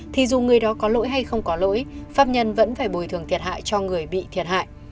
thì dù người đó có lỗi hay không có lỗi pháp nhân vẫn phải bồi thường thiệt hại cho người bị thiệt hại